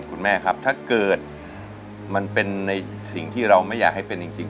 คุณแม่ครับถ้าเกิดมันเป็นในสิ่งที่เราไม่อยากให้เป็นจริง